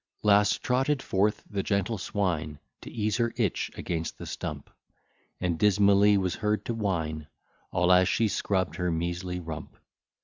Last trotted forth the gentle swine, To ease her itch against the stump, And dismally was heard to whine, All as she scrubb'd her meazly rump.